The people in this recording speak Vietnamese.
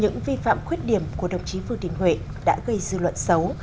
những vi phạm khuyết điểm của đồng chí vương đình huệ đã gây dư luận xấu